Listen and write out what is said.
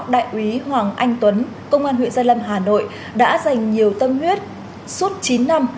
đại úy hoàng anh tuấn công an huyện gia lâm hà nội đã dành nhiều tâm huyết suốt chín năm